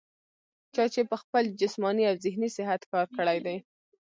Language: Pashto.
چا چې پۀ خپل جسماني او ذهني صحت کار کړے دے